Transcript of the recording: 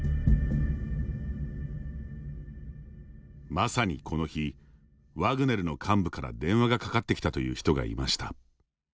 まさにこの日ワグネルの幹部から電話がかかってきたという人がいました。